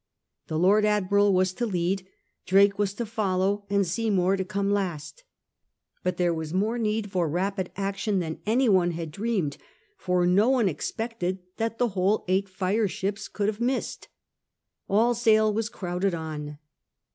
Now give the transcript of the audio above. The Lord Admiral was to lead, Drake was to follow, and Seymour to come last But there was more need for rapid action than any one had dreamed, for no one expected that the whole eight fireships could have missed. All sail was crowded on.